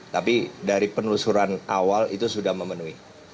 tapi dari penelusuran awal itu sudah memenuhi